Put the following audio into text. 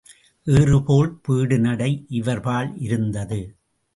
ஏறுபோல் பீடு நடை இவர்பால் இருந்தது.